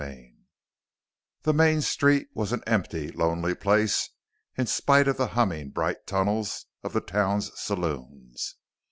IV The main street was an empty, lonely place in spite of the humming bright tunnels of the town's saloons.